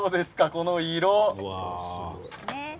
この色。